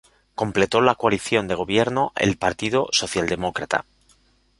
Completó la coalición de gobierno el Partido Socialdemócrata.